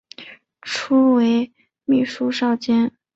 初为秘书少监。